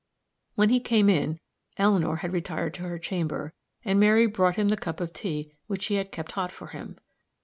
When he came in, Eleanor had retired to her chamber, and Mary brought him the cup of tea which she had kept hot for him.